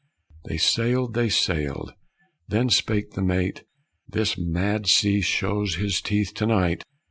They sailed. They sailed. Then spake the mate: "This mad sea shows his teeth to night.